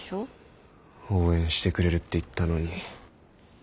応援してくれるって言ったのに。